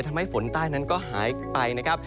ทำให้ฝนใต้นั้นก็หายไปนะครับ